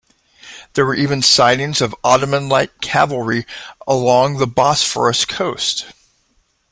There were even sightings of Ottoman light cavalry along the Bosphoros coast.